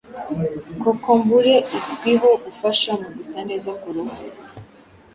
Kokombure izwiho gufasha mu gusa neza k’uruhu,